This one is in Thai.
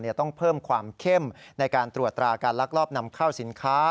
ต้องเพิ่มความเข้มในการตรวจตราการลักลอบนำเข้าสินค้า